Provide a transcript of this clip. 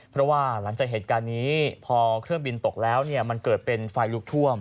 เพราะว่าหลังจากเหตุการณ์นี้พอเครื่องบินตกแล้วมันเกิดเป็นไฟลุกท่วม